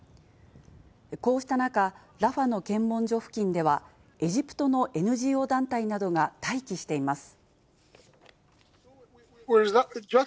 こうした中、ラファの検問所付近ではエジプトのＮＧＯ団体などが待機しています。